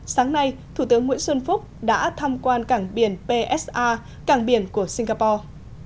sáng nay thủ tướng nguyễn xuân phúc đã tham quan cảng biển psa cảng biển của singapore